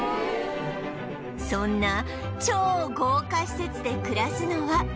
そんな超豪華施設で暮らすのは